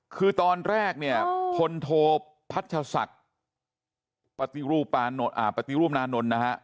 คือตอนแรกเนี่ยพลโทพัชศักดิ์ปฏิรูปปฏิรูปนานนท์นะฮะ